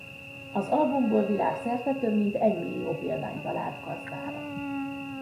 Az albumból világszerte több mint egymillió példány talált gazdára.